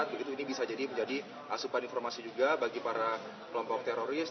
begitu ini bisa jadi menjadi asupan informasi juga bagi para kelompok teroris